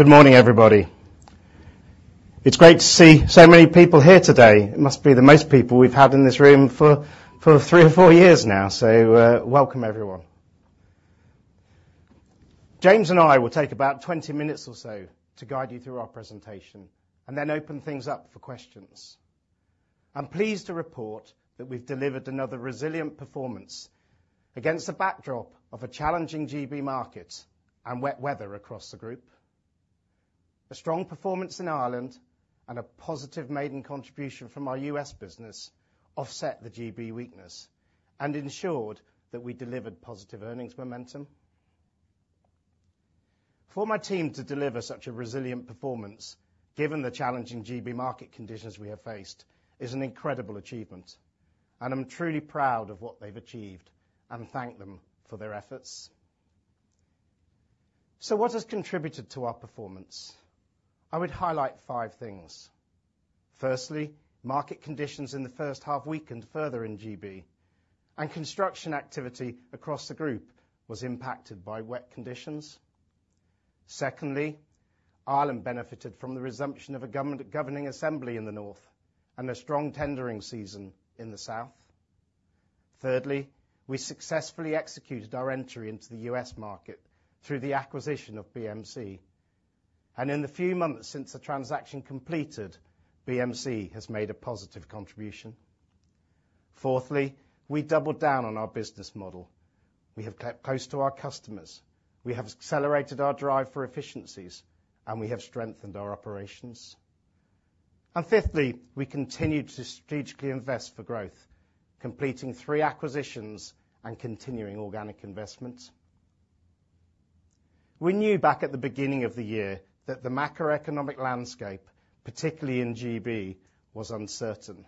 Good morning, everybody. It's great to see so many people here today. It must be the most people we've had in this room for 3 or 4 years now, so welcome, everyone. James and I will take about 20 minutes or so to guide you through our presentation and then open things up for questions. I'm pleased to report that we've delivered another resilient performance against the backdrop of a challenging GB market and wet weather across the group. A strong performance in Ireland and a positive maiden contribution from our U.S. business offset the GB weakness and ensured that we delivered positive earnings momentum. For my team to deliver such a resilient performance, given the challenging GB market conditions we have faced, is an incredible achievement, and I'm truly proud of what they've achieved and thank them for their efforts. So what has contributed to our performance? I would highlight five things. Firstly, market conditions in the first half weakened further in GB, and construction activity across the group was impacted by wet conditions. Secondly, Ireland benefited from the resumption of a governing assembly in the north and a strong tendering season in the south. Thirdly, we successfully executed our entry into the U.S. market through the acquisition of BMC, and in the few months since the transaction completed, BMC has made a positive contribution. Fourthly, we doubled down on our business model. We have kept close to our customers. We have accelerated our drive for efficiencies, and we have strengthened our operations. And fifthly, we continue to strategically invest for growth, completing three acquisitions and continuing organic investments. We knew back at the beginning of the year that the macroeconomic landscape, particularly in GB, was uncertain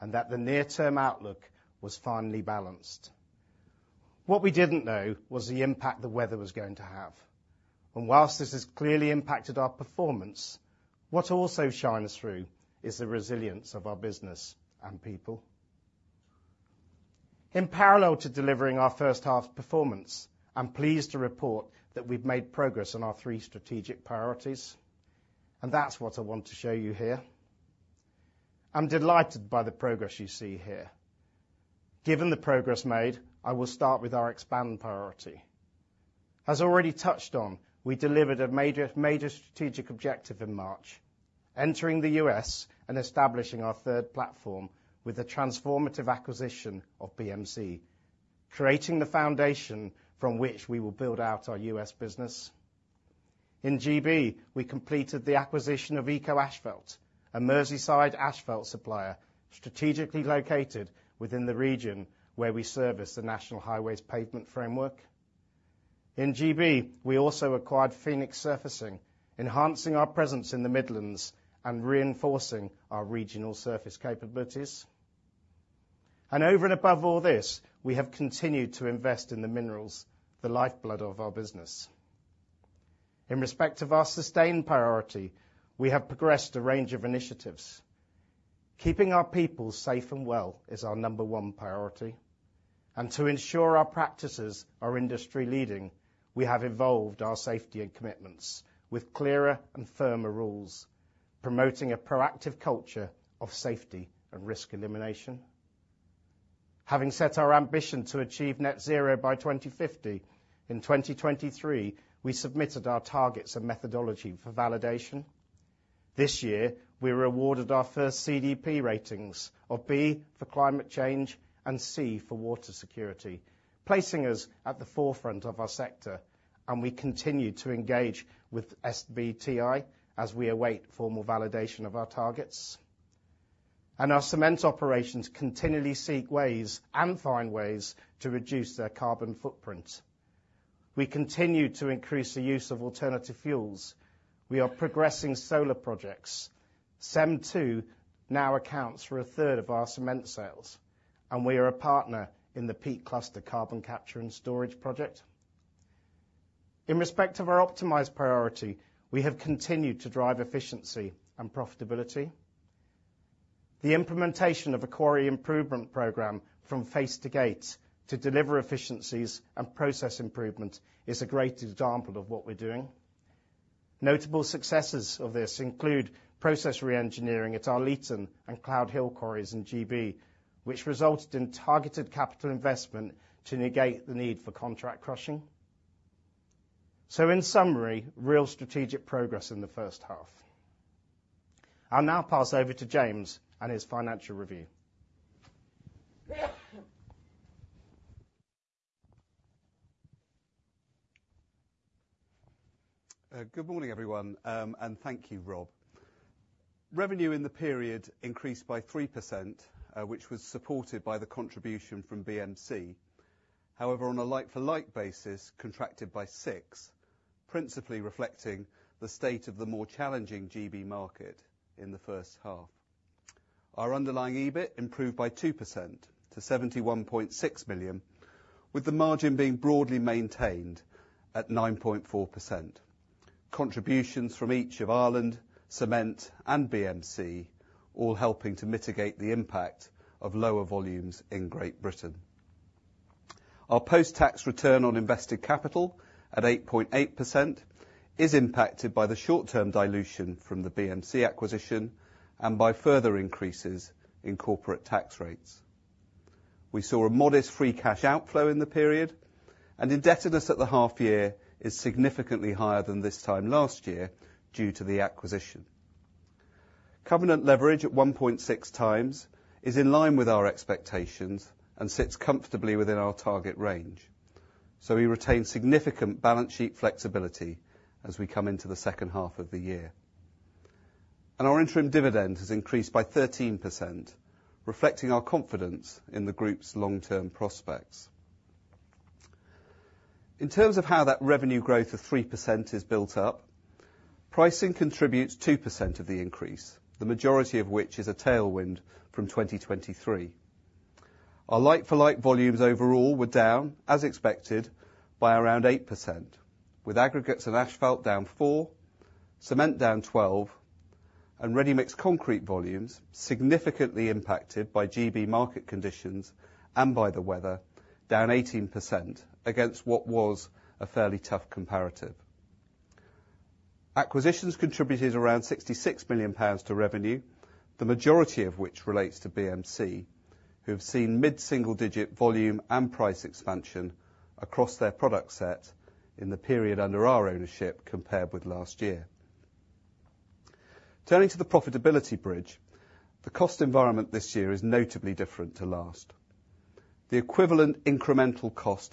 and that the near-term outlook was finally balanced. What we didn't know was the impact the weather was going to have. While this has clearly impacted our performance, what also shines through is the resilience of our business and people. In parallel to delivering our first half performance, I'm pleased to report that we've made progress on our three strategic priorities, and that's what I want to show you here. I'm delighted by the progress you see here. Given the progress made, I will start with our expand priority. As already touched on, we delivered a major strategic objective in March, entering the U.S. and establishing our third platform with a transformative acquisition of BMC, creating the foundation from which we will build out our U.S. business. In GB, we completed the acquisition of Eco-Asphalt, a Merseyside asphalt supplier strategically located within the region where we service the National Highways Pavement Framework. In GB, we also acquired Phoenix Surfacing, enhancing our presence in the Midlands and reinforcing our regional surfacing capabilities. Over and above all this, we have continued to invest in the minerals, the lifeblood of our business. In respect of our sustainability priority, we have progressed a range of initiatives. Keeping our people safe and well is our number one priority. To ensure our practices are industry-leading, we have evolved our safety commitments with clearer and firmer rules, promoting a proactive culture of safety and risk elimination. Having set our ambition to achieve net zero by 2050, in 2023, we submitted our targets and methodology for validation. This year, we were awarded our first CDP ratings, B for climate change and C for water security, placing us at the forefront of our sector. We continue to engage with SBTi as we await formal validation of our targets. Our cement operations continually seek ways and find ways to reduce their carbon footprint. We continue to increase the use of alternative fuels. We are progressing solar projects. CEM II now accounts for a third of our cement sales, and we are a partner in the Peak Cluster carbon capture and storage project. In respect of our optimized priority, we have continued to drive efficiency and profitability. The implementation of a quarry improvement program from face to gate to deliver efficiencies and process improvement is a great example of what we're doing. Notable successes of this include process re-engineering at Leaton and Cloud Hill quarries in GB, which resulted in targeted capital investment to negate the need for contract crushing. In summary, real strategic progress in the first half. I'll now pass over to James and his financial review. Good morning, everyone, and thank you, Rob. Revenue in the period increased by 3%, which was supported by the contribution from BMC. However, on a like-for-like basis, contracted by 6%, principally reflecting the state of the more challenging GB market in the first half. Our underlying EBIT improved by 2% to 71.6 million, with the margin being broadly maintained at 9.4%. Contributions from each of Ireland, cement, and BMC, all helping to mitigate the impact of lower volumes in Great Britain. Our post-tax return on invested capital at 8.8% is impacted by the short-term dilution from the BMC acquisition and by further increases in corporate tax rates. We saw a modest free cash outflow in the period, and indebtedness at the half year is significantly higher than this time last year due to the acquisition. Covenant leverage at 1.6x is in line with our expectations and sits comfortably within our target range. We retain significant balance sheet flexibility as we come into the second half of the year. Our interim dividend has increased by 13%, reflecting our confidence in the group's long-term prospects. In terms of how that revenue growth of 3% is built up, pricing contributes 2% of the increase, the majority of which is a tailwind from 2023. Our like-for-like volumes overall were down, as expected, by around 8%, with aggregates and asphalt down 4%, cement down 12%, and ready-mix concrete volumes significantly impacted by GB market conditions and by the weather, down 18% against what was a fairly tough comparative. Acquisitions contributed around 66 million pounds to revenue, the majority of which relates to BMC, who have seen mid-single-digit volume and price expansion across their product set in the period under our ownership compared with last year. Turning to the profitability bridge, the cost environment this year is notably different to last. The equivalent incremental cost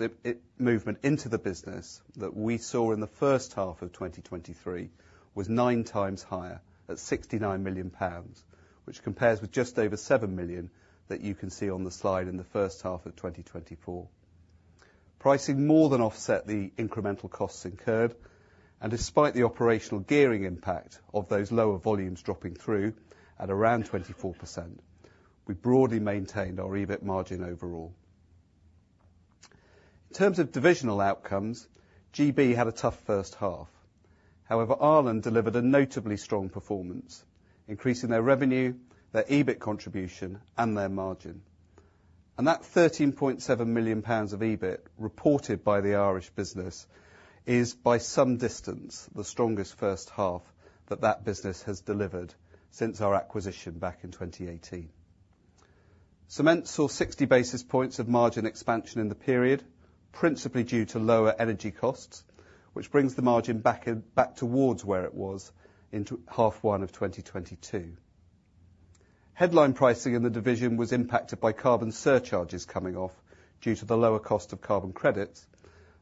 movement into the business that we saw in the first half of 2023 was nine times higher at 69 million pounds, which compares with just over 7 million that you can see on the slide in the first half of 2024. Pricing more than offset the incremental costs incurred, and despite the operational gearing impact of those lower volumes dropping through at around 24%, we broadly maintained our EBIT margin overall. In terms of divisional outcomes, GB had a tough first half. However, Ireland delivered a notably strong performance, increasing their revenue, their EBIT contribution, and their margin. And that 13.7 million pounds of EBIT reported by the Irish business is, by some distance, the strongest first half that that business has delivered since our acquisition back in 2018. Cement saw 60 basis points of margin expansion in the period, principally due to lower energy costs, which brings the margin back towards where it was in half one of 2022. Headline pricing in the division was impacted by carbon surcharges coming off due to the lower cost of carbon credits,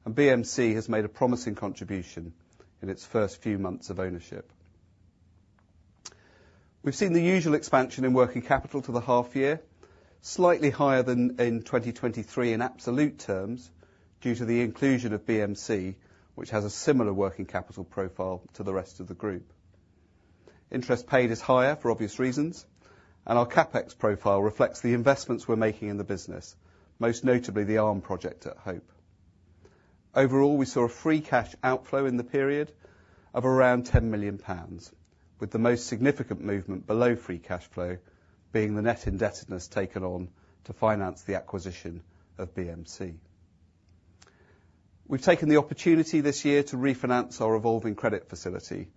and BMC has made a promising contribution in its first few months of ownership. We've seen the usual expansion in working capital to the half year, slightly higher than in 2023 in absolute terms due to the inclusion of BMC, which has a similar working capital profile to the rest of the group. Interest paid is higher for obvious reasons, and our CapEx profile reflects the investments we're making in the business, most notably the ARM project at Hope. Overall, we saw a free cash outflow in the period of around 10 million pounds, with the most significant movement below free cash flow being the net indebtedness taken on to finance the acquisition of BMC. We've taken the opportunity this year to refinance our revolving credit facility,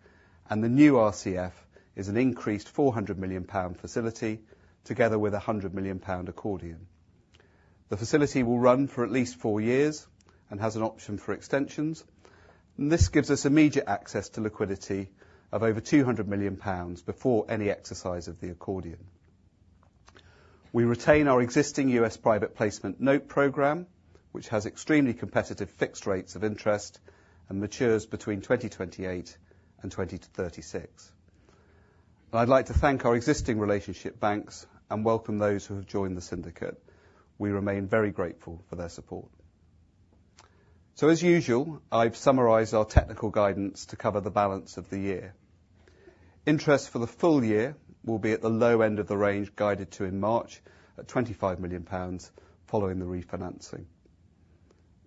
and the new RCF is an increased 400 million pound facility together with a 100 million pound accordion. The facility will run for at least four years and has an option for extensions, and this gives us immediate access to liquidity of over 200 million pounds before any exercise of the accordion. We retain our existing U.S. Private Placement note program, which has extremely competitive fixed rates of interest and matures between 2028 and 2036. I'd like to thank our existing relationship banks and welcome those who have joined the syndicate. We remain very grateful for their support. As usual, I've summarized our technical guidance to cover the balance of the year. Interest for the full year will be at the low end of the range guided to in March at 25 million pounds following the refinancing.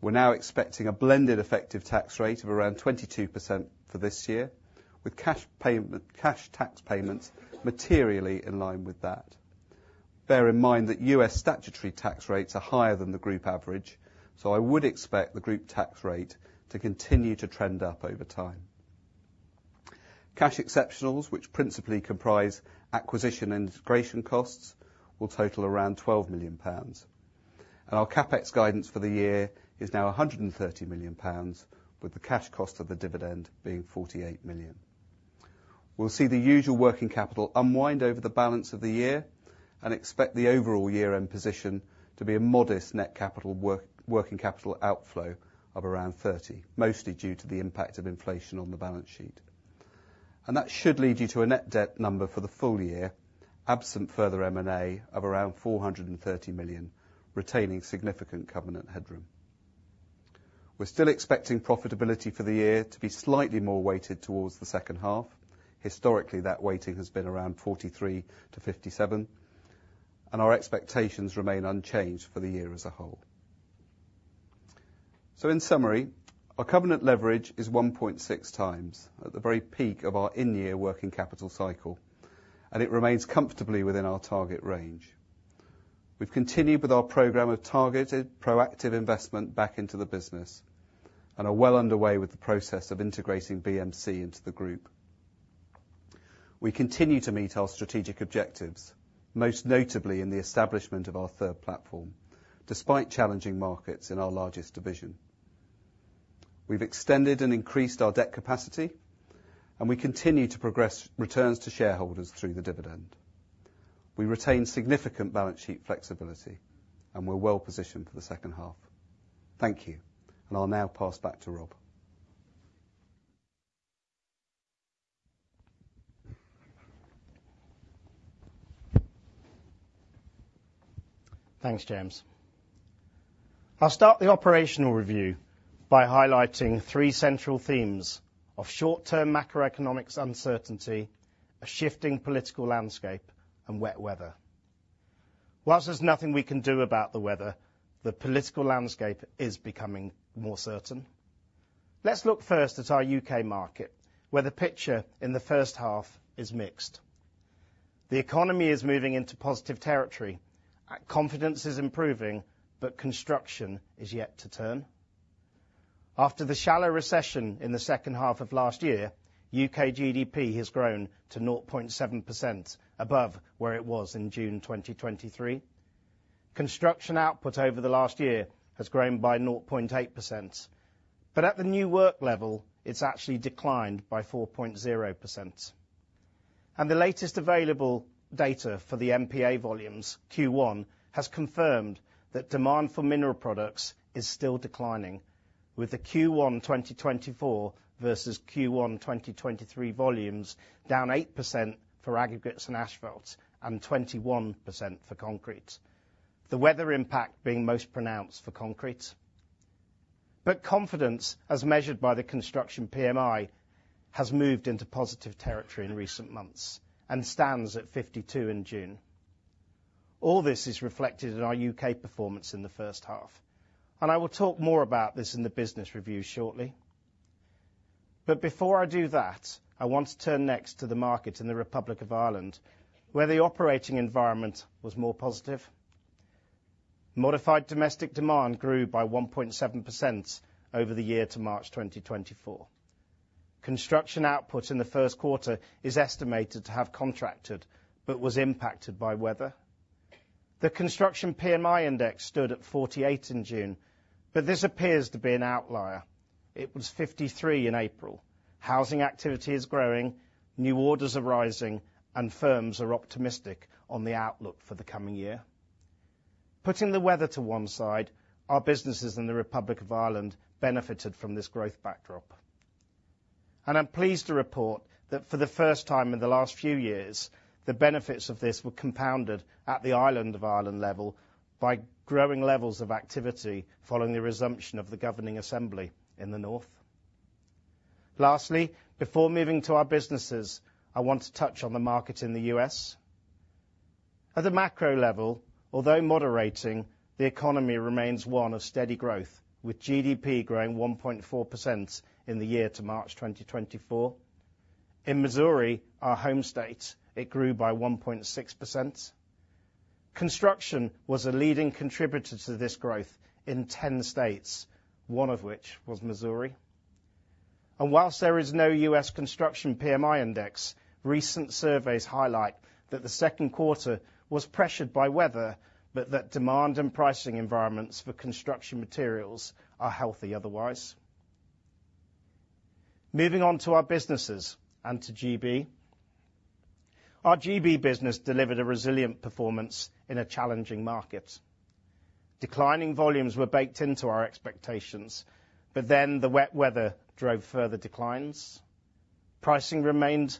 We're now expecting a blended effective tax rate of around 22% for this year, with cash tax payments materially in line with that. Bear in mind that U.S. statutory tax rates are higher than the group average, so I would expect the group tax rate to continue to trend up over time. Cash exceptionals, which principally comprise acquisition and integration costs, will total around 12 million pounds. Our CapEx guidance for the year is now 130 million pounds, with the cash cost of the dividend being 48 million. We'll see the usual working capital unwind over the balance of the year and expect the overall year-end position to be a modest net capital working capital outflow of around 30 million, mostly due to the impact of inflation on the balance sheet. That should lead you to a net debt number for the full year, absent further M&A of around 430 million, retaining significant covenant headroom. We're still expecting profitability for the year to be slightly more weighted towards the second half. Historically, that weighting has been around 43-57, and our expectations remain unchanged for the year as a whole. So in summary, our covenant leverage is 1.6x at the very peak of our in-year working capital cycle, and it remains comfortably within our target range. We've continued with our program of targeted proactive investment back into the business and are well underway with the process of integrating BMC into the group. We continue to meet our strategic objectives, most notably in the establishment of our third platform, despite challenging markets in our largest division. We've extended and increased our debt capacity, and we continue to progress returns to shareholders through the dividend. We retain significant balance sheet flexibility, and we're well positioned for the second half. Thank you, and I'll now pass back to Rob. Thanks, James. I'll start the operational review by highlighting three central themes of short-term macroeconomic uncertainty, a shifting political landscape, and wet weather. While there's nothing we can do about the weather, the political landscape is becoming more certain. Let's look first at our U.K. market, where the picture in the first half is mixed. The economy is moving into positive territory. Confidence is improving, but construction is yet to turn. After the shallow recession in the second half of last year, U.K. GDP has grown to 0.7% above where it was in June 2023. Construction output over the last year has grown by 0.8%, but at the new work level, it's actually declined by 4.0%. The latest available data for the MPA volumes, Q1, has confirmed that demand for mineral products is still declining, with the Q1 2024 versus Q1 2023 volumes down 8% for aggregates and asphalt and 21% for concrete, the weather impact being most pronounced for concrete. But confidence, as measured by the construction PMI, has moved into positive territory in recent months and stands at 52 in June. All this is reflected in our U.K. performance in the first half, and I will talk more about this in the business review shortly. But before I do that, I want to turn next to the market in the Republic of Ireland, where the operating environment was more positive. Modified domestic demand grew by 1.7% over the year to March 2024. Construction output in the first quarter is estimated to have contracted but was impacted by weather. The construction PMI index stood at 48 in June, but this appears to be an outlier. It was 53 in April. Housing activity is growing, new orders are rising, and firms are optimistic on the outlook for the coming year. Putting the weather to one side, our businesses in the Republic of Ireland benefited from this growth backdrop. I'm pleased to report that for the first time in the last few years, the benefits of this were compounded at the island of Ireland level by growing levels of activity following the resumption of the governing assembly in the north. Lastly, before moving to our businesses, I want to touch on the market in the U.S. At the macro level, although moderating, the economy remains one of steady growth, with GDP growing 1.4% in the year to March 2024. In Missouri, our home state, it grew by 1.6%. Construction was a leading contributor to this growth in 10 states, one of which was Missouri. Whilst there is no U.S. construction PMI index, recent surveys highlight that the second quarter was pressured by weather, but that demand and pricing environments for construction materials are healthy otherwise. Moving on to our businesses and to GB. Our GB business delivered a resilient performance in a challenging market. Declining volumes were baked into our expectations, but then the wet weather drove further declines. Pricing remained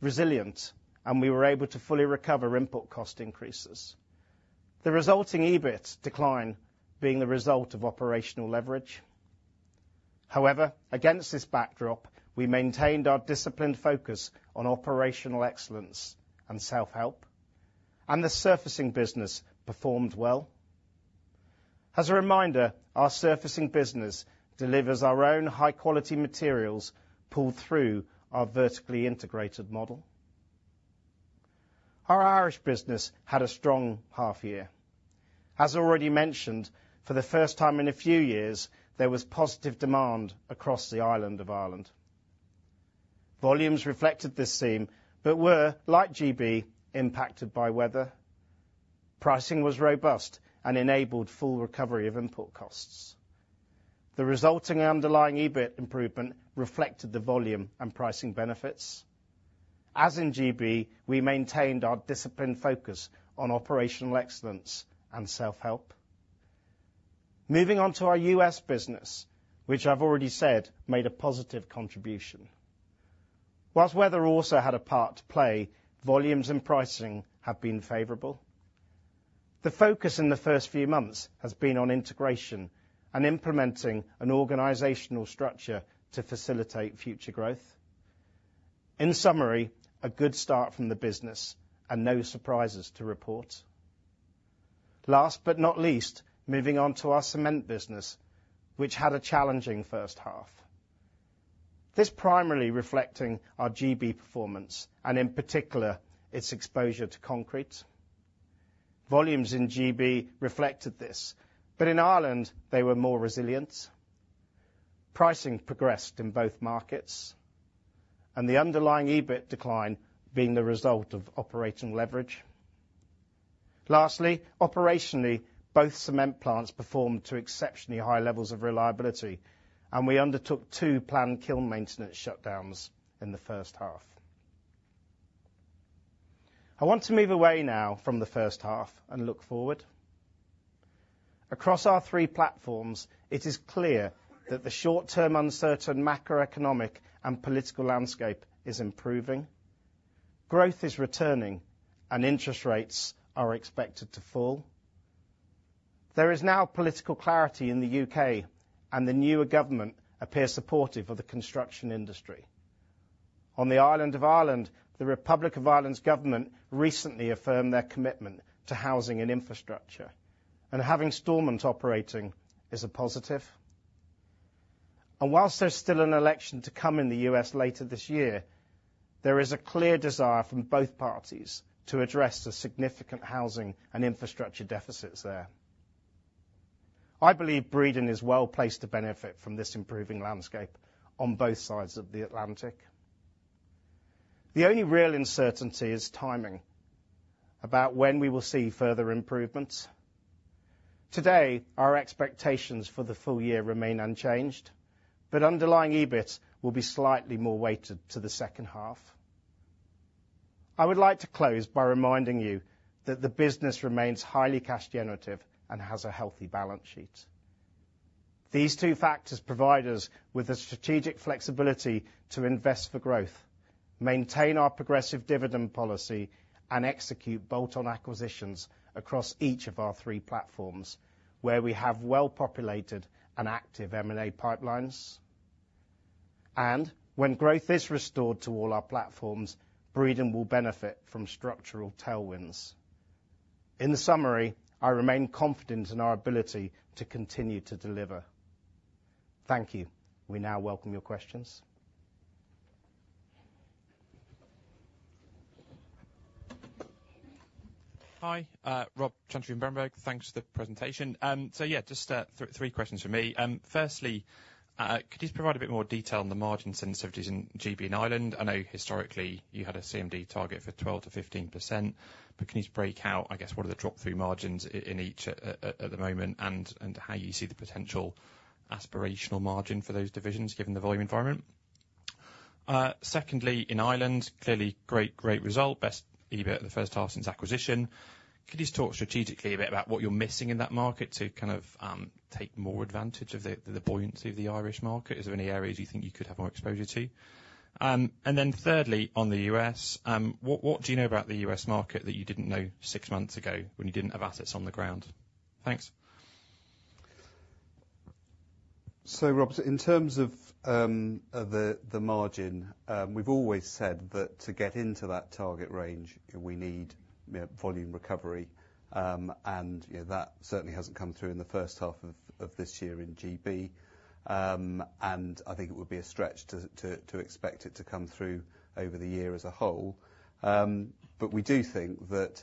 resilient, and we were able to fully recover import cost increases. The resulting EBIT decline being the result of operational leverage. However, against this backdrop, we maintained our disciplined focus on operational excellence and self-help, and the surfacing business performed well. As a reminder, our surfacing business delivers our own high-quality materials pulled through our vertically integrated model. Our Irish business had a strong half year. As already mentioned, for the first time in a few years, there was positive demand across the island of Ireland. Volumes reflected this theme, but were, like GB, impacted by weather. Pricing was robust and enabled full recovery of import costs. The resulting underlying EBIT improvement reflected the volume and pricing benefits. As in GB, we maintained our disciplined focus on operational excellence and self-help. Moving on to our U.S. business, which I've already said made a positive contribution. Whilst weather also had a part to play, volumes and pricing have been favorable. The focus in the first few months has been on integration and implementing an organizational structure to facilitate future growth. In summary, a good start from the business and no surprises to report. Last but not least, moving on to our cement business, which had a challenging first half. This primarily reflecting our G.B. performance and in particular its exposure to concrete. Volumes in G.B. reflected this, but in Ireland, they were more resilient. Pricing progressed in both markets, and the underlying EBIT decline being the result of operating leverage. Lastly, operationally, both cement plants performed to exceptionally high levels of reliability, and we undertook two planned kiln maintenance shutdowns in the first half. I want to move away now from the first half and look forward. Across our three platforms, it is clear that the short-term uncertain macroeconomic and political landscape is improving. Growth is returning, and interest rates are expected to fall. There is now political clarity in the U.K., and the newer government appears supportive of the construction industry. On the island of Ireland, the Republic of Ireland's government recently affirmed their commitment to housing and infrastructure, and having Stormont operating is a positive. Whilst there's still an election to come in the U.S. later this year, there is a clear desire from both parties to address the significant housing and infrastructure deficits there. I believe Breedon is well placed to benefit from this improving landscape on both sides of the Atlantic. The only real uncertainty is timing about when we will see further improvements. Today, our expectations for the full year remain unchanged, but underlying EBIT will be slightly more weighted to the second half. I would like to close by reminding you that the business remains highly cash-generative and has a healthy balance sheet. These two factors provide us with a strategic flexibility to invest for growth, maintain our progressive dividend policy, and execute bolt-on acquisitions across each of our three platforms, where we have well-populated and active M&A pipelines. When growth is restored to all our platforms, Breedon will benefit from structural tailwinds. In summary, I remain confident in our ability to continue to deliver. Thank you. We now welcome your questions. Hi, Rob Chantry in Berenberg. Thanks for the presentation. So yeah, just three questions for me. Firstly, could you provide a bit more detail on the margin sensitivities in GB and Ireland? I know historically you had a CMD target for 12%-15%, but can you break out, I guess, what are the drop-through margins in each at the moment and how you see the potential aspirational margin for those divisions given the volume environment? Secondly, in Ireland, clearly great, great result, best EBIT at the first half since acquisition. Could you talk strategically a bit about what you're missing in that market to kind of take more advantage of the buoyancy of the Irish market? Is there any areas you think you could have more exposure to? And then thirdly, on the U.S., what do you know about the U.S. market that you didn't know six months ago when you didn't have assets on the ground? Thanks. So Rob, in terms of the margin, we've always said that to get into that target range, we need volume recovery, and that certainly hasn't come through in the first half of this year in GB. I think it would be a stretch to expect it to come through over the year as a whole. But we do think that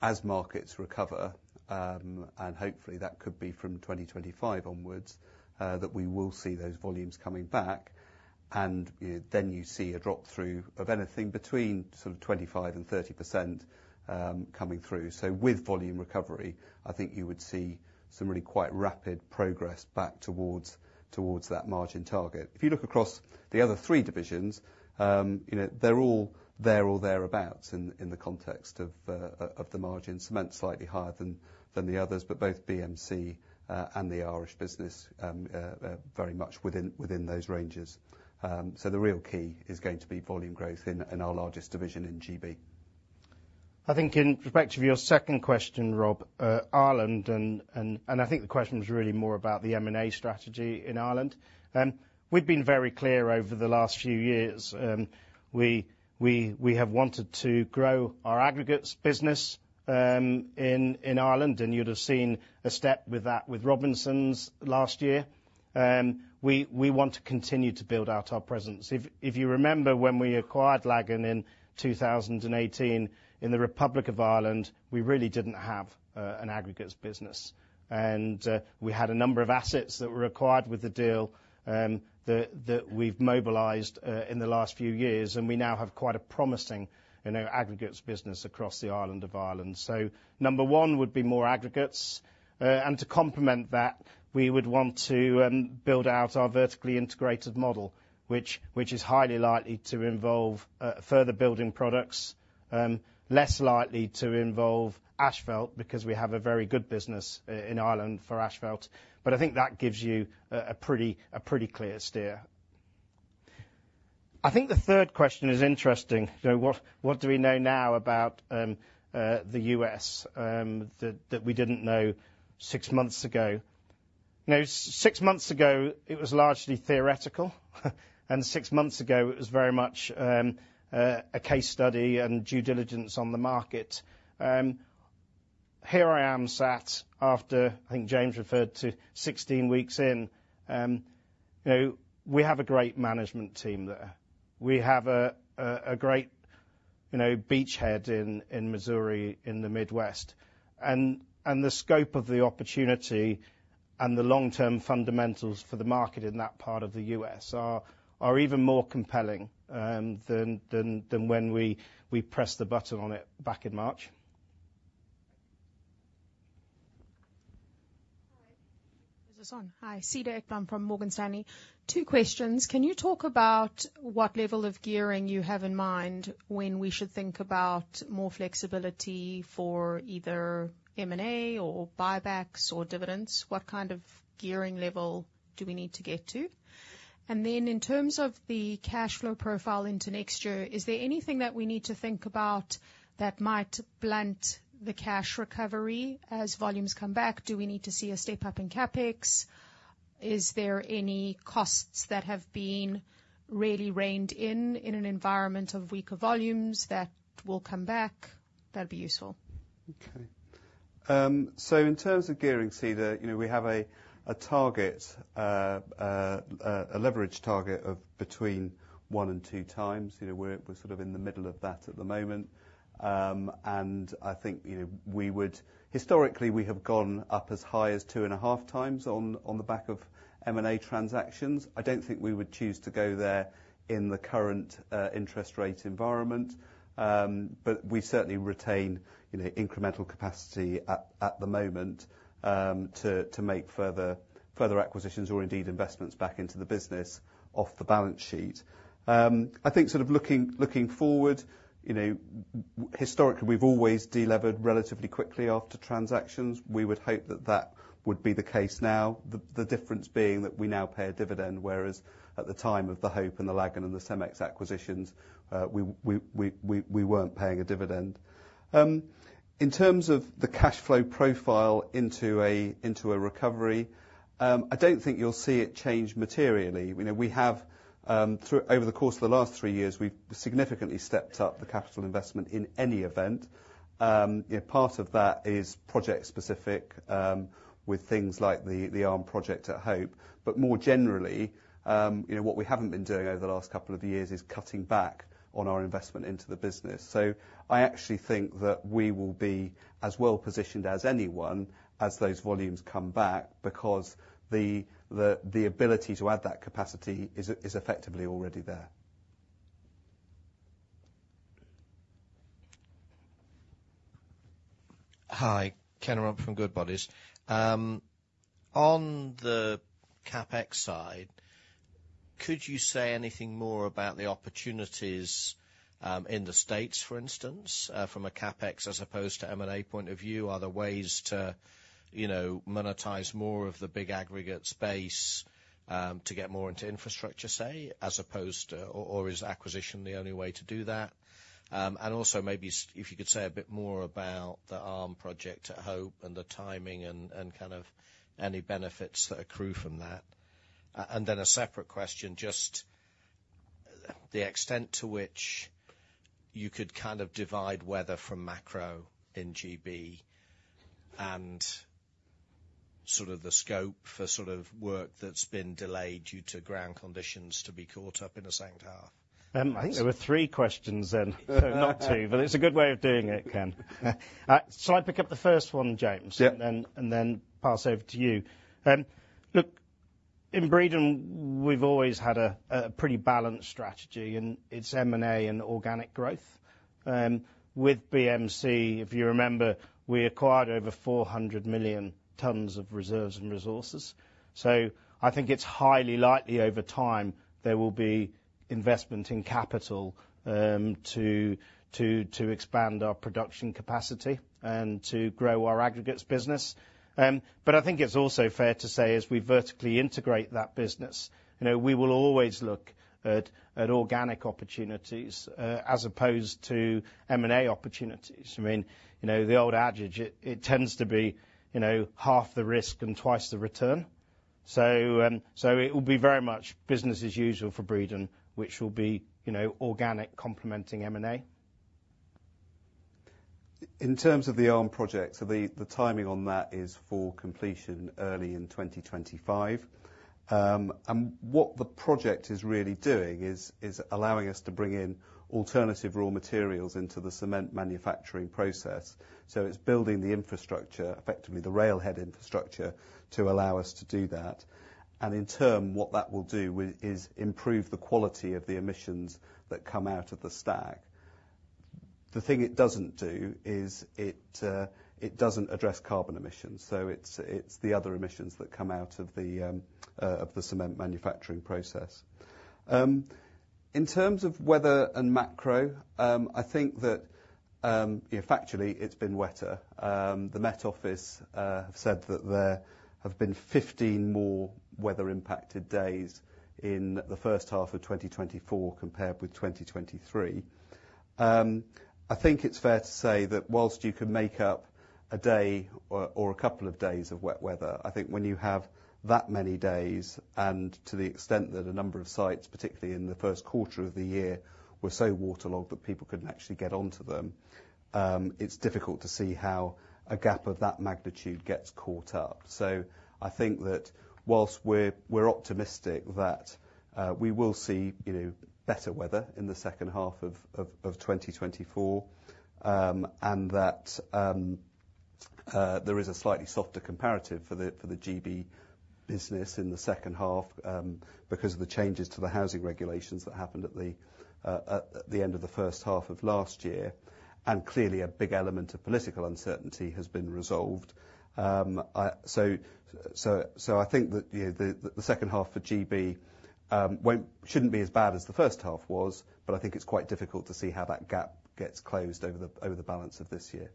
as markets recover, and hopefully that could be from 2025 onwards, that we will see those volumes coming back. And then you see a drop-through of anything between sort of 25%-30% coming through. So with volume recovery, I think you would see some really quite rapid progress back towards that margin target. If you look across the other three divisions, they're all there or thereabouts in the context of the margin. Cement's slightly higher than the others, but both BMC and the Irish business are very much within those ranges. So the real key is going to be volume growth in our largest division in GB. I think in respect of your second question, Rob, Ireland, and I think the question was really more about the M&A strategy in Ireland. We've been very clear over the last few years. We have wanted to grow our aggregates business in Ireland, and you'd have seen a step with that with Robinsons last year. We want to continue to build out our presence. If you remember when we acquired Laggan in 2018, in the Republic of Ireland, we really didn't have an aggregates business. And we had a number of assets that were acquired with the deal that we've mobilized in the last few years, and we now have quite a promising aggregates business across the island of Ireland. So number one would be more aggregates. And to complement that, we would want to build out our vertically integrated model, which is highly likely to involve further building products, less likely to involve asphalt, because we have a very good business in Ireland for asphalt. But I think that gives you a pretty clear steer. I think the third question is interesting. What do we know now about the U.S. that we didn't know six months ago? Six months ago, it was largely theoretical, and six months ago, it was very much a case study and due diligence on the market. Here I am sat after, I think James referred to 16 weeks in. We have a great management team there. We have a great beachhead in Missouri in the Midwest. The scope of the opportunity and the long-term fundamentals for the market in that part of the U.S. are even more compelling than when we pressed the button on it back in March. Hi. This is on. Hi. Cedar Ekblom from Morgan Stanley. Two questions. Can you talk about what level of gearing you have in mind when we should think about more flexibility for either M&A or buybacks or dividends? What kind of gearing level do we need to get to? And then in terms of the cash flow profile into next year, is there anything that we need to think about that might blunt the cash recovery as volumes come back? Do we need to see a step up in CapEx? Is there any costs that have been really reined in in an environment of weaker volumes that will come back? That'd be useful. Okay. In terms of gearing, Cedar, we have a target, a leverage target of between 1 and 2x. We're sort of in the middle of that at the moment. I think we would historically, we have gone up as high as 2.5x on the back of M&A transactions. I don't think we would choose to go there in the current interest rate environment, but we certainly retain incremental capacity at the moment to make further acquisitions or indeed investments back into the business off the balance sheet. I think sort of looking forward, historically, we've always delevered relatively quickly after transactions. We would hope that that would be the case now, the difference being that we now pay a dividend, whereas at the time of the Hope and the Laggan and the CEMEX acquisitions, we weren't paying a dividend. In terms of the cash flow profile into a recovery, I don't think you'll see it change materially. Over the course of the last three years, we've significantly stepped up the capital investment in any event. Part of that is project-specific with things like the ARM project at Hope. But more generally, what we haven't been doing over the last couple of years is cutting back on our investment into the business. So I actually think that we will be as well positioned as anyone as those volumes come back because the ability to add that capacity is effectively already there. Hi. Ken Rumph from Goodbody. On the CapEx side, could you say anything more about the opportunities in the States, for instance, from a CapEx as opposed to M&A point of view? Are there ways to monetize more of the big aggregate space to get more into infrastructure, say, as opposed to, or is acquisition the only way to do that? And also maybe if you could say a bit more about the ARM project at Hope and the timing and kind of any benefits that accrue from that. And then a separate question, just the extent to which you could kind of divide weather from macro in GB and sort of the scope for sort of work that's been delayed due to ground conditions to be caught up in the second half. I think there were three questions then, not two, but it's a good way of doing it, Ken. Shall I pick up the first one, James, and then pass over to you? Look, in Breedon, we've always had a pretty balanced strategy, and it's M&A and organic growth. With BMC, if you remember, we acquired over 400 million tons of reserves and resources. So I think it's highly likely over time there will be investment in capital to expand our production capacity and to grow our aggregates business. But I think it's also fair to say as we vertically integrate that business, we will always look at organic opportunities as opposed to M&A opportunities. I mean, the old adage, it tends to be half the risk and twice the return. So it will be very much business as usual for Breedon, which will be organic complementing M&A. In terms of the ARM project, so the timing on that is for completion early in 2025. And what the project is really doing is allowing us to bring in alternative raw materials into the cement manufacturing process. So it's building the infrastructure, effectively the railhead infrastructure, to allow us to do that. And in turn, what that will do is improve the quality of the emissions that come out of the stack. The thing it doesn't do is it doesn't address carbon emissions. So it's the other emissions that come out of the cement manufacturing process. In terms of weather and macro, I think that factually it's been wetter. The Met Office have said that there have been 15 more weather-impacted days in the first half of 2024 compared with 2023. I think it's fair to say that whilst you can make up a day or a couple of days of wet weather, I think when you have that many days and to the extent that a number of sites, particularly in the first quarter of the year, were so waterlogged that people couldn't actually get onto them, it's difficult to see how a gap of that magnitude gets caught up. So I think that whilst we're optimistic that we will see better weather in the second half of 2024 and that there is a slightly softer comparative for the GB business in the second half because of the changes to the housing regulations that happened at the end of the first half of last year, and clearly a big element of political uncertainty has been resolved. I think that the second half for GB shouldn't be as bad as the first half was, but I think it's quite difficult to see how that gap gets closed over the balance of this year.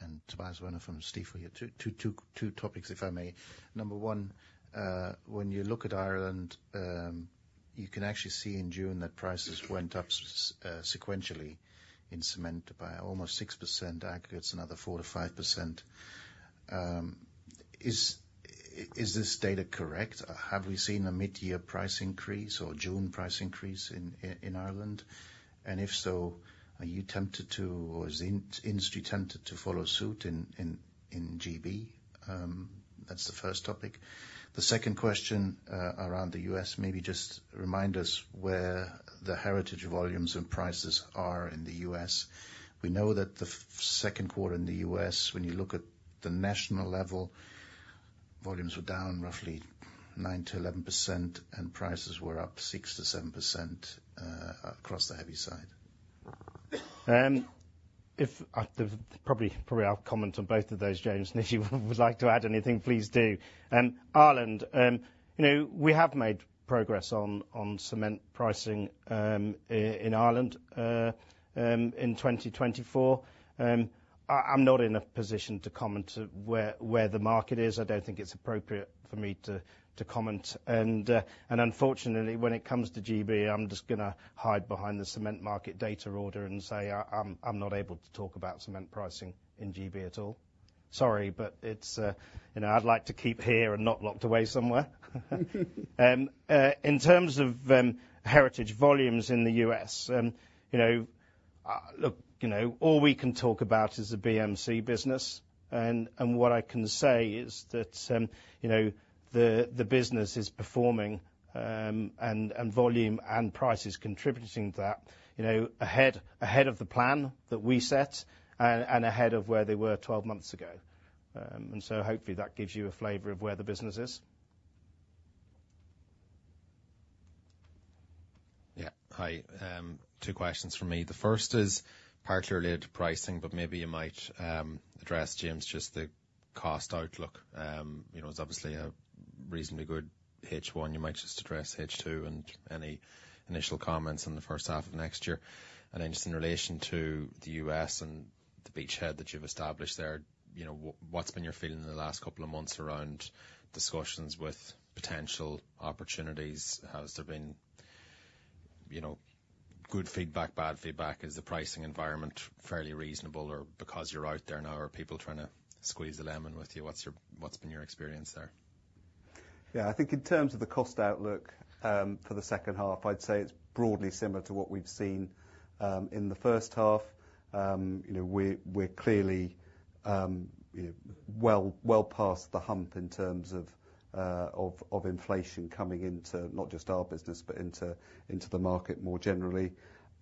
And Tobias Woerner from Stifel for you. Two topics, if I may. Number one, when you look at Ireland, you can actually see in June that prices went up sequentially in cement by almost 6%, aggregates another 4%-5%. Is this data correct? Have we seen a mid-year price increase or June price increase in Ireland? And if so, are you tempted to, or is the industry tempted to follow suit in GB? That's the first topic. The second question around the U.S., maybe just remind us where the heritage volumes and prices are in the U.S.. We know that the second quarter in the U.S., when you look at the national level, volumes were down roughly 9%-11% and prices were up 6%-7% across the heavy side. Probably I'll comment on both of those, James. And if you would like to add anything, please do. Ireland, we have made progress on cement pricing in Ireland in 2024. I'm not in a position to comment to where the market is. I don't think it's appropriate for me to comment. And unfortunately, when it comes to GB, I'm just going to hide behind the cement market data order and say I'm not able to talk about cement pricing in GB at all. Sorry, but I'd like to keep here and not locked away somewhere. In terms of heritage volumes in the U.S., look, all we can talk about is the BMC business. And what I can say is that the business is performing and volume and price is contributing to that ahead of the plan that we set and ahead of where they were 12 months ago. Hopefully that gives you a flavor of where the business is. Yeah. Hi. Two questions from me. The first is particularly pricing, but maybe you might address, James, just the cost outlook. It's obviously a reasonably good H1. You might just address H2 and any initial comments in the first half of next year. And then just in relation to the U.S. and the beachhead that you've established there, what's been your feeling in the last couple of months around discussions with potential opportunities? Has there been good feedback, bad feedback? Is the pricing environment fairly reasonable? Or because you're out there now, are people trying to squeeze the lemon with you? What's been your experience there? Yeah. I think in terms of the cost outlook for the second half, I'd say it's broadly similar to what we've seen in the first half. We're clearly well past the hump in terms of inflation coming into not just our business, but into the market more generally.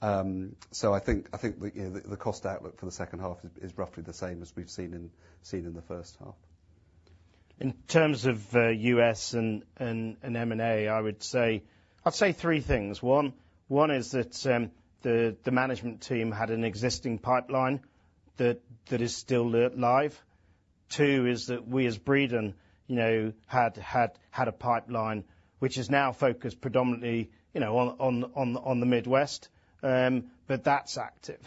So I think the cost outlook for the second half is roughly the same as we've seen in the first half. In terms of U.S. and M&A, I would say three things. One is that the management team had an existing pipeline that is still live. Two is that we as Breedon had a pipeline which is now focused predominantly on the Midwest, but that's active.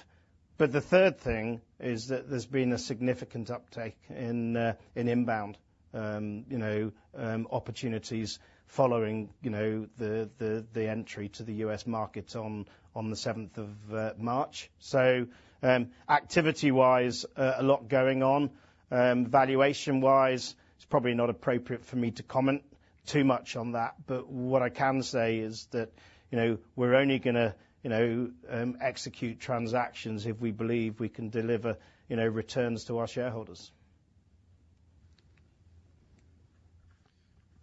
But the third thing is that there's been a significant uptake in inbound opportunities following the entry to the U.S. markets on the 7th of March. So activity-wise, a lot going on. Valuation-wise, it's probably not appropriate for me to comment too much on that, but what I can say is that we're only going to execute transactions if we believe we can deliver returns to our shareholders.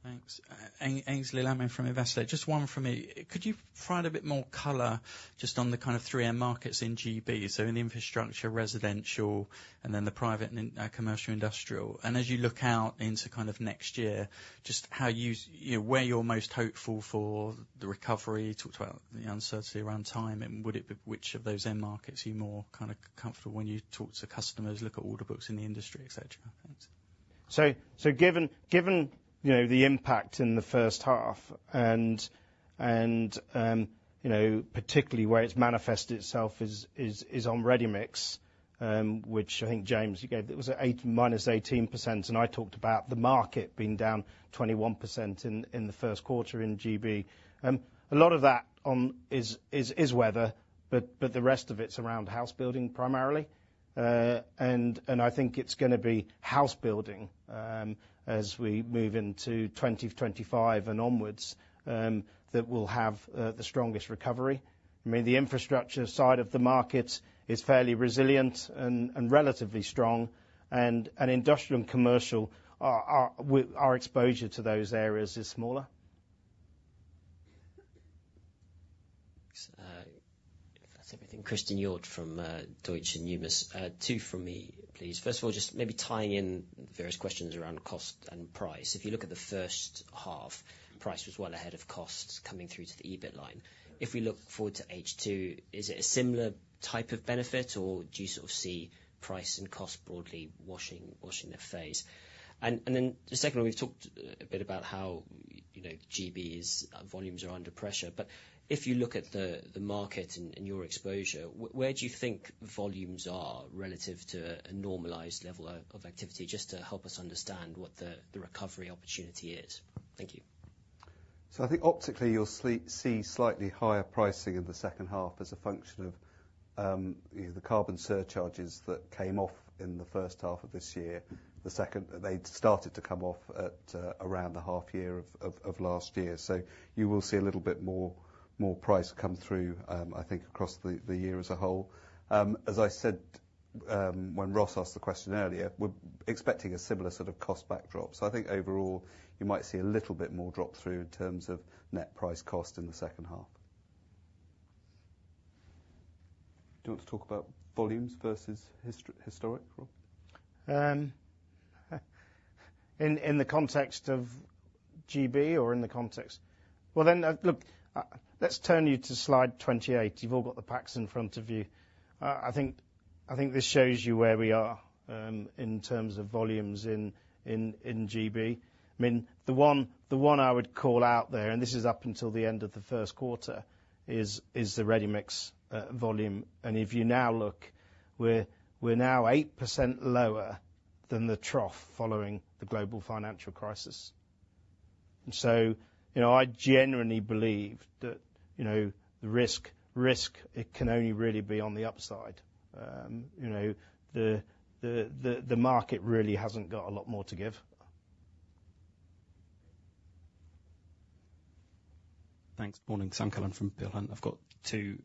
Thanks. Aynsley Lammin from Investec. Just one from me. Could you provide a bit more color just on the kind of three markets in GB? So in infrastructure, residential, and then the private and commercial-industrial. And as you look out into kind of next year, just where you're most hopeful for the recovery, talked about the uncertainty around time, and which of those end markets are you more kind of comfortable when you talk to customers, look at order books in the industry, etc.? So given the impact in the first half, and particularly where it's manifested itself is on ready mix, which I think James gave, it was -18%, and I talked about the market being down -21% in the first quarter in GB. A lot of that is weather, but the rest of it's around house building primarily. I think it's going to be house building as we move into 2025 and onwards that will have the strongest recovery. I mean, the infrastructure side of the market is fairly resilient and relatively strong, and industrial and commercial, our exposure to those areas is smaller. That's everything. Christen Hjorth from Deutsche Numis. Two from me, please. First of all, just maybe tying in various questions around cost and price. If you look at the first half, price was well ahead of cost coming through to the EBIT line. If we look forward to H2, is it a similar type of benefit, or do you sort of see price and cost broadly washing their face? And then the second one, we've talked a bit about how GB's volumes are under pressure. But if you look at the market and your exposure, where do you think volumes are relative to a normalized level of activity just to help us understand what the recovery opportunity is? Thank you. So I think optically you'll see slightly higher pricing in the second half as a function of the carbon surcharges that came off in the first half of this year. They started to come off at around the half year of last year. So you will see a little bit more price come through, I think, across the year as a whole. As I said when Ross asked the question earlier, we're expecting a similar sort of cost backdrop. So I think overall you might see a little bit more drop through in terms of net price cost in the second half. Do you want to talk about volumes versus historic, Rob? In the context of GB or in the context? Well, then look, let's turn you to slide 28. You've all got the packs in front of you. I think this shows you where we are in terms of volumes in GB. I mean, the one I would call out there, and this is up until the end of the first quarter, is the ready mix volume. And if you now look, we're now 8% lower than the trough following the global financial crisis. And so I genuinely believe that the risk, it can only really be on the upside. The market really hasn't got a lot more to give. Thanks. Morning, Sam Cullen from Peel Hunt. I've got two.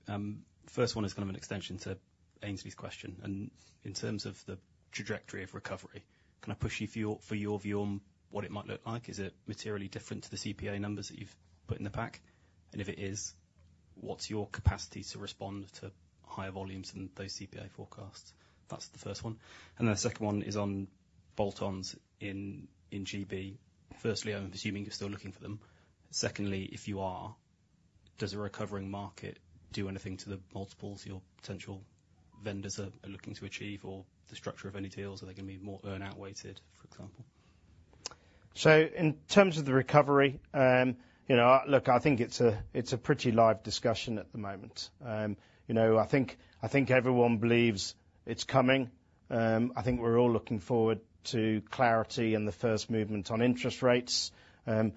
First one is kind of an extension to Aynsley's question. In terms of the trajectory of recovery, can I push you for your view on what it might look like? Is it materially different to the CPA numbers that you've put in the pack? And if it is, what's your capacity to respond to higher volumes than those CPA forecasts? That's the first one. Then the second one is on bolt-ons in GB. Firstly, I'm assuming you're still looking for them. Secondly, if you are, does a recovering market do anything to the multiples your potential vendors are looking to achieve or the structure of any deals? Are they going to be more earn-out weighted, for example? So in terms of the recovery, look, I think it's a pretty live discussion at the moment. I think everyone believes it's coming. I think we're all looking forward to clarity and the first movement on interest rates. And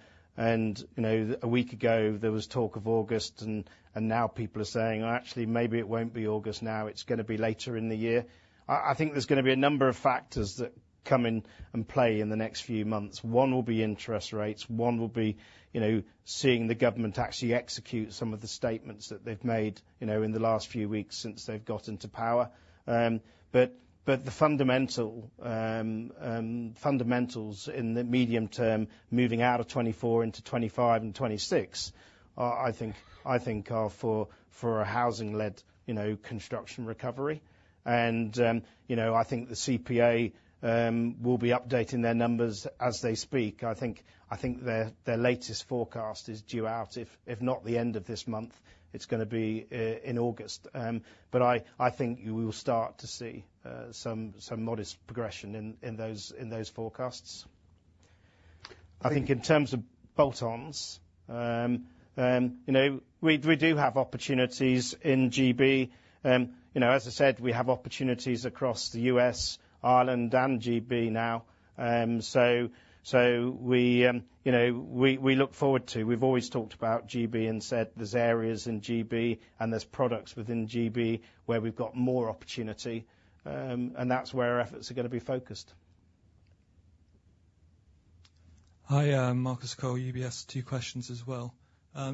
a week ago, there was talk of August, and now people are saying, "Actually, maybe it won't be August now. It's going to be later in the year." I think there's going to be a number of factors that come in and play in the next few months. One will be interest rates. One will be seeing the government actually execute some of the statements that they've made in the last few weeks since they've gotten to power. But the fundamentals in the medium term, moving out of 2024 into 2025 and 2026, I think are for a housing-led construction recovery. I think the CPA will be updating their numbers as they speak. I think their latest forecast is due out. If not the end of this month, it's going to be in August. But I think we will start to see some modest progression in those forecasts. I think in terms of bolt-ons, we do have opportunities in GB. As I said, we have opportunities across the U.S., Ireland, and GB now. So we look forward to. We've always talked about GB and said there's areas in GB and there's products within GB where we've got more opportunity. And that's where our efforts are going to be focused. Hi, Marcus Cole, UBS. Two questions as well.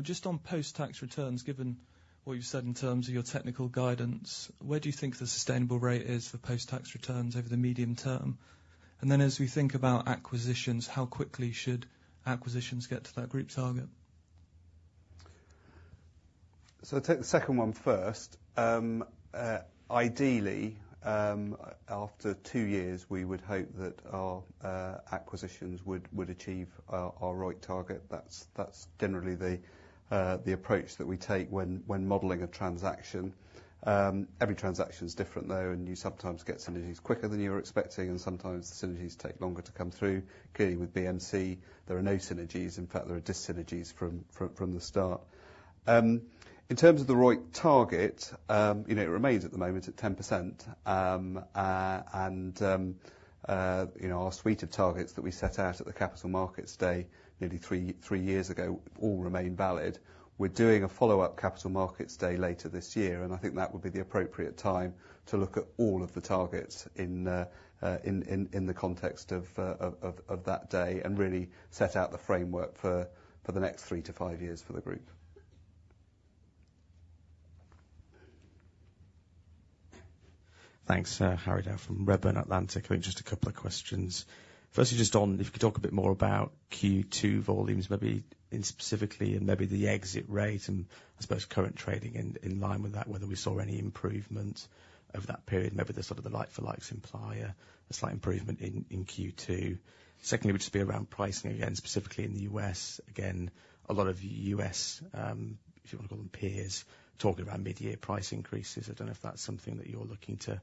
Just on post-tax returns, given what you've said in terms of your technical guidance, where do you think the sustainable rate is for post-tax returns over the medium term? And then as we think about acquisitions, how quickly should acquisitions get to that group target? So I'll take the second one first. Ideally, after two years, we would hope that our acquisitions would achieve our right target. That's generally the approach that we take when modeling a transaction. Every transaction is different, though, and you sometimes get synergies quicker than you were expecting, and sometimes the synergies take longer to come through. Clearly, with BMC, there are no synergies. In fact, there are disynergies from the start. In terms of the right target, it remains at the moment at 10%. And our suite of targets that we set out at the capital markets day nearly three years ago all remain valid. We're doing a follow-up capital markets day later this year, and I think that would be the appropriate time to look at all of the targets in the context of that day and really set out the framework for the next three to five years for the group. Thanks. Harry Dow from Redburn Atlantic. Just a couple of questions. Firstly, just on, if you could talk a bit more about Q2 volumes, maybe specifically and maybe the exit rate and I suppose current trading in line with that, whether we saw any improvement over that period. Maybe there's sort of the like-for-like implied, a slight improvement in Q2. Secondly, which would be around pricing again, specifically in the U.S.. Again, a lot of U.S., if you want to call them peers, talking about mid-year price increases. I don't know if that's something that you're looking to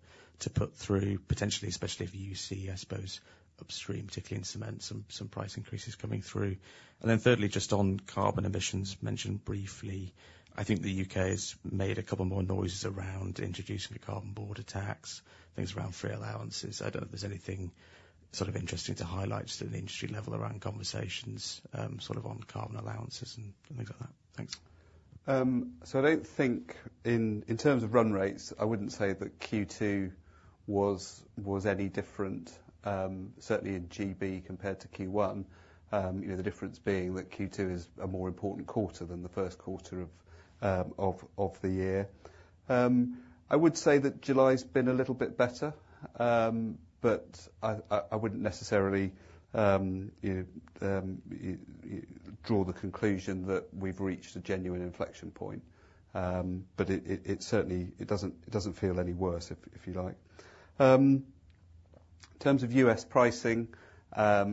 put through, potentially, especially if you see, I suppose, upstream, particularly in cement, some price increases coming through. And then thirdly, just on carbon emissions, mentioned briefly, I think the U.K. has made a couple more noises around introducing the carbon border tax, things around free allowances. I don't know if there's anything sort of interesting to highlight just at an industry level around conversations sort of on carbon allowances and things like that. Thanks. So I don't think in terms of run rates, I wouldn't say that Q2 was any different, certainly in GB compared to Q1, the difference being that Q2 is a more important quarter than the first quarter of the year. I would say that July's been a little bit better, but I wouldn't necessarily draw the conclusion that we've reached a genuine inflection point. But it certainly doesn't feel any worse, if you like. In terms of U.S. pricing, there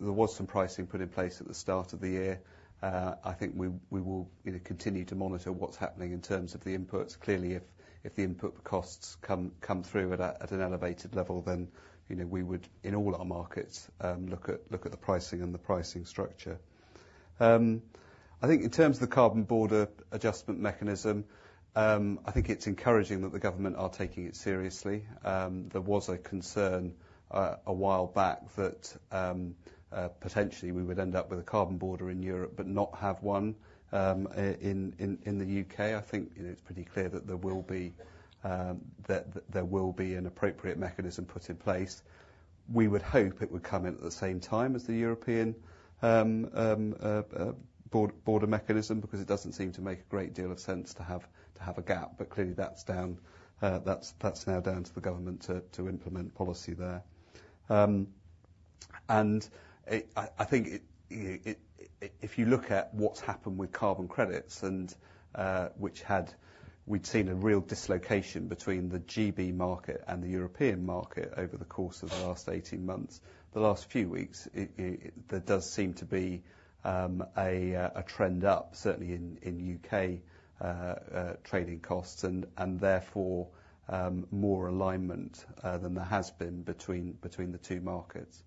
was some pricing put in place at the start of the year. I think we will continue to monitor what's happening in terms of the inputs. Clearly, if the input costs come through at an elevated level, then we would, in all our markets, look at the pricing and the pricing structure. I think in terms of the carbon border adjustment mechanism, I think it's encouraging that the government are taking it seriously. There was a concern a while back that potentially we would end up with a carbon border in Europe but not have one in the U.K.. I think it's pretty clear that there will be an appropriate mechanism put in place. We would hope it would come in at the same time as the European border mechanism because it doesn't seem to make a great deal of sense to have a gap. But clearly, that's now down to the government to implement policy there. I think if you look at what's happened with carbon credits, which we'd seen a real dislocation between the GB market and the European market over the course of the last 18 months, the last few weeks, there does seem to be a trend up, certainly in U.K. trading costs and therefore more alignment than there has been between the two markets.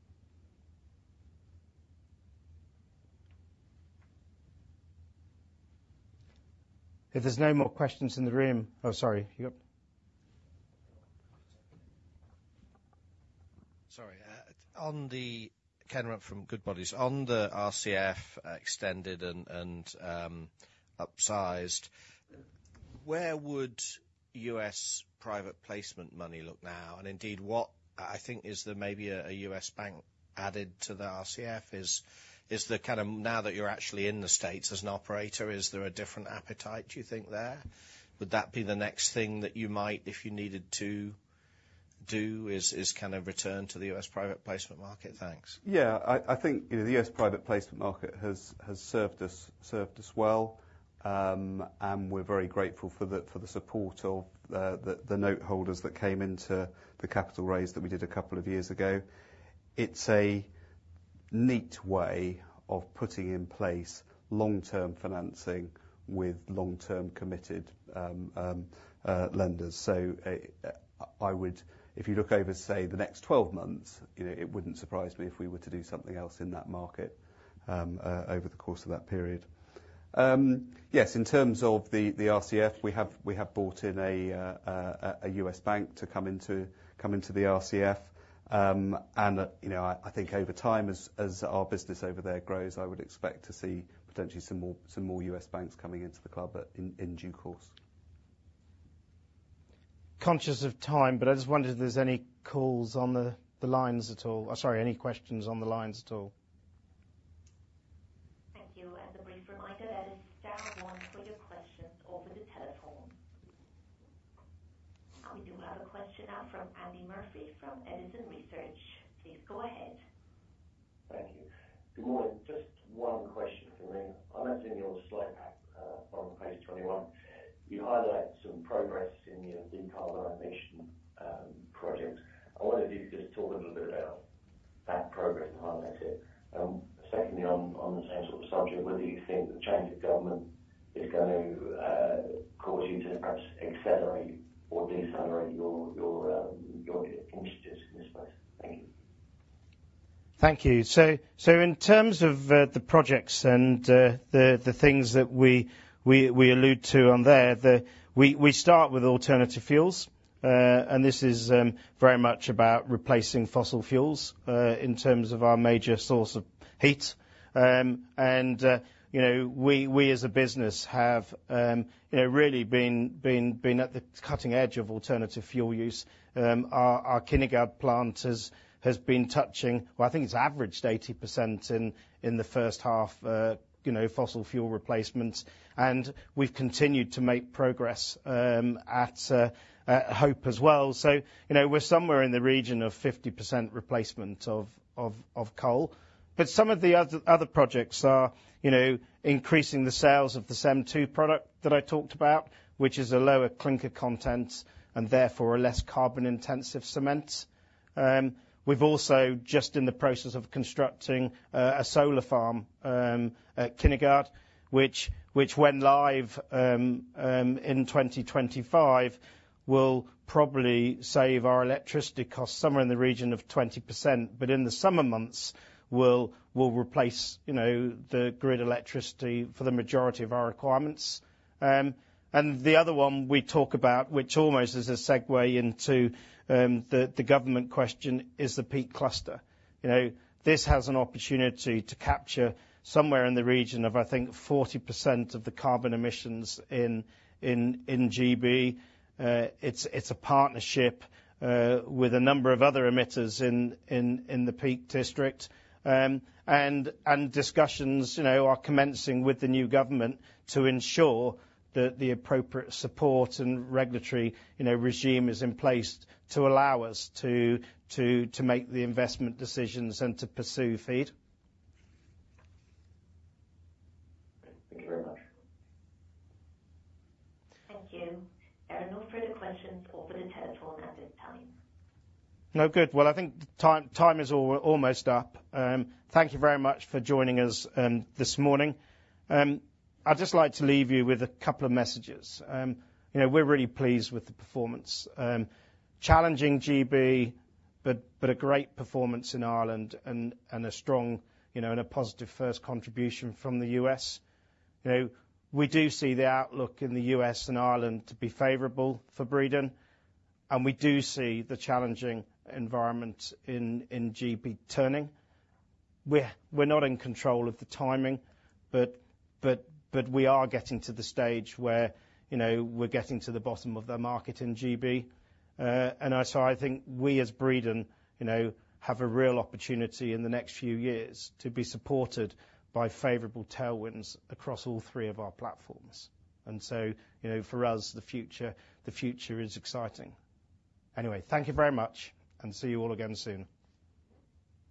If there's no more questions in the room, oh, sorry. Sorry. Ken Rumph from Goodbody, on the RCF extended and upsized, where would U.S. private placement money look now? And indeed, what I think is there maybe a U.S. bank added to the RCF is the kind of now that you're actually in the States as an operator, is there a different appetite, do you think, there? Would that be the next thing that you might, if you needed to do, is kind of return to the U.S. private placement market? Thanks. Yeah. I think the U.S. private placement market has served us well. We're very grateful for the support of the noteholders that came into the capital raise that we did a couple of years ago. It's a neat way of putting in place long-term financing with long-term committed lenders. If you look over, say, the next 12 months, it wouldn't surprise me if we were to do something else in that market over the course of that period. Yes, in terms of the RCF, we have brought in a U.S. bank to come into the RCF. I think over time, as our business over there grows, I would expect to see potentially some more U.S. banks coming into the club in due course. Conscious of time, but I just wondered if there's any calls on the lines at all? Sorry, any questions on the lines at all? Thank you. As a brief reminder, that is star one for your questions over the telephone. We do have a question now from Andy Murphy from Edison Research. Please go ahead. Thank you. Good morning. Just one question for me. I imagine you're on slide 21. You highlight some progress in the decarbonization project. I wonder if you could just talk a little bit about that progress and highlight it. Secondly, on the same sort of subject, whether you think the change of government is going to cause you to perhaps accelerate or decelerate your initiatives in this space? Thank you. Thank you. So in terms of the projects and the things that we allude to on there, we start with alternative fuels. And this is very much about replacing fossil fuels in terms of our major source of heat. And we, as a business, have really been at the cutting edge of alternative fuel use. Our Kinnegad plant has been touching, well, I think it's averaged 80% in the first half, fossil fuel replacements. And we've continued to make progress at Hope as well. So we're somewhere in the region of 50% replacement of coal. But some of the other projects are increasing the sales of the CEM II product that I talked about, which is a lower clinker content and therefore a less carbon-intensive cement. We've also just in the process of constructing a solar farm at Kinnegad, which, when live in 2025, will probably save our electricity costs somewhere in the region of 20%. But in the summer months, we'll replace the grid electricity for the majority of our requirements. And the other one we talk about, which almost is a segue into the government question, is the Peak Cluster. This has an opportunity to capture somewhere in the region of, I think, 40% of the carbon emissions in GB. It's a partnership with a number of other emitters in the Peak District. And discussions are commencing with the new government to ensure that the appropriate support and regulatory regime is in place to allow us to make the investment decisions and to pursue FEED. Thank you very much. Thank you. There are no further questions over the telephone at this time. No good. Well, I think time is almost up. Thank you very much for joining us this morning. I'd just like to leave you with a couple of messages. We're really pleased with the performance. Challenging GB, but a great performance in Ireland and a strong and a positive first contribution from the U.S.. We do see the outlook in the U.S. and Ireland to be favorable for Breedon. And we do see the challenging environment in GB turning. We're not in control of the timing, but we are getting to the stage where we're getting to the bottom of the market in GB. And so I think we, as Breedon, have a real opportunity in the next few years to be supported by favorable tailwinds across all three of our platforms. And so for us, the future is exciting. Anyway, thank you very much, and see you all again soon.